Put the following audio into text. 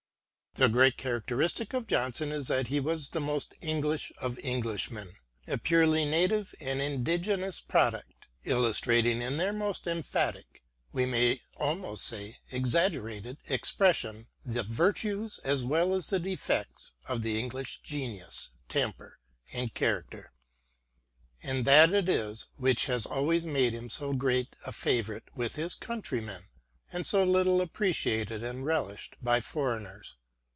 The great characteristic of Johnson is that he was the most English of Englishmen, a purely native and indigenous product, illustrating in their most emphatic, we may almost say exaggerated, expression the virtues as well as the defects of the English genius, temper, and character. And this it is which has always made him so great a favourite with his countrymen, and so little appreciated and relished by foreigners.